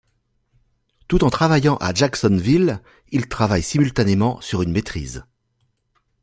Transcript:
Tout en travaillant à Jacksonville, il travaille simultanément sur une maîtrise.